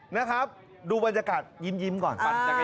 นะครับดูบรรยากาศยิ้มก่อน